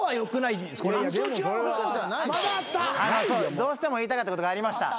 どうしても言いたかったことがありました。